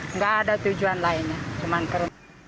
enggak ada tujuan lainnya cuma ke rumah